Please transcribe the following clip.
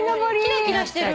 キラキラしてる。